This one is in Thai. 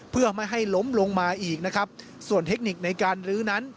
เพื่อไม่ให้ล้มลงมาอีกนะครับส่วนเทคนิคในการลื้อนั้น